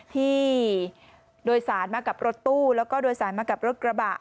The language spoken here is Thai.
ที่โดยสารมากับรถตู้แล้วก็โดยสารมากับรถกระบะ